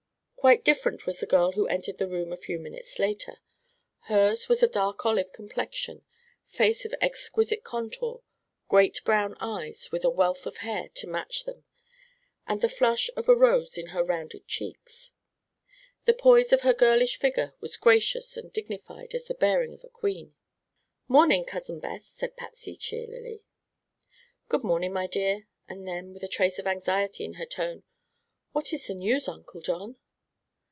Quite different was the girl who entered the room a few minutes later. Hers was a dark olive complexion, face of exquisite contour, great brown eyes with a wealth of hair to match them and the flush of a rose in her rounded cheeks. The poise of her girlish figure was gracious and dignified as the bearing of a queen. "Morning, Cousin Beth," said Patsy cheerily. "Good morning, my dear," and then, with a trace of anxiety in her tone: "What is the news, Uncle John?"